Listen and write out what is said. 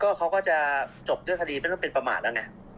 เขาก็จะจบด้วยคดีไม่ต้องเป็นประมาทแล้วไง